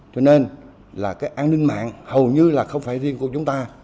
cho nên là cái an ninh mạng hầu như là không phải riêng của chúng ta